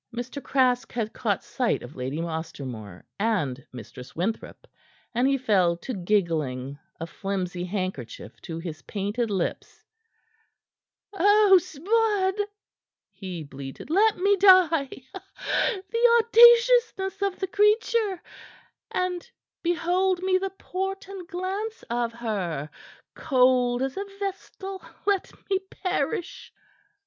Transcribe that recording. Mr. Craske had caught sight of Lady Ostermore and Mistress Winthrop, and he fell to giggling, a flimsy handkerchief to his painted lips. "Oh, 'Sbud!" he bleated. "Let me die! The audaciousness of the creature! And behold me the port and glance of her! Cold as a vestal, let me perish!"